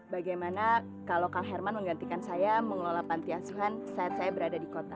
bagaimana kalau kang herman menggantikan saya mengelola panti asuhan saat saya berada di kota